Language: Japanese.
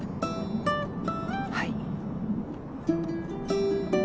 はい。